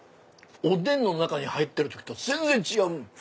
おでんの中に入ってる時と全然違う！